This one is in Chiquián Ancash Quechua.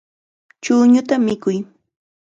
Chuñuta mikuy.